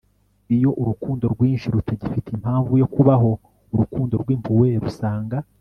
iyo urukundo rwinshi rutagifite impamvu yo kubaho, urukundo rwimpuhwe rusanga